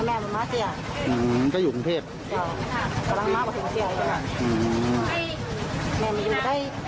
มาแม่ประมาทเจียอืมก็อยู่กรุงเทพฯอืมแม่ไม่อยู่ได้